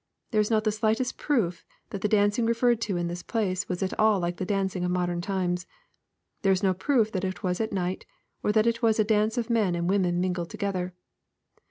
There is not the slightest proof that the dancing referred to in this place was at all like the dancing of modem times. There is no proof that it was at night, or that it wtis a dance of men and women mingled to gether.